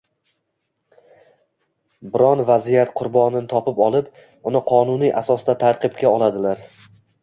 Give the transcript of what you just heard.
Biron vaziyat qurbonini topib olib, uni “qonuniy” asosda ta’qibga oladilar!